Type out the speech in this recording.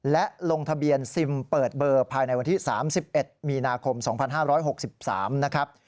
และลงทะเบียนซิมเปิดเบอร์ภายในวันที่๓๑มีนาคม๒๕๖๓นะครับ